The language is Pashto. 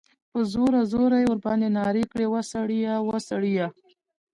په زوره، زوره ئی ورباندي نارې کړې ، وسړیه! وسړیه!